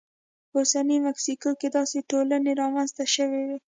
په اوسنۍ مکسیکو کې داسې ټولنې رامنځته شوې وې.